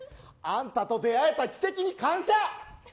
あんたと出会えた奇跡に感謝！